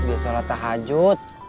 dia sholat tahajud